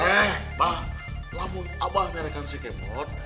eh pak lamun abah merekan si kemut